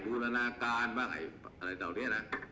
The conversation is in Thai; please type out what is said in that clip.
อยู่พระนาการตามบูระการบ้างอะไรต่ออนี่น่ะ